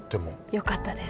よかったです。